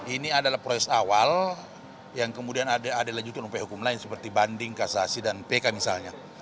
ini adalah proyek awal yang kemudian ada adalah jutur umpaya hukum lain seperti banding kasasi dan pk misalnya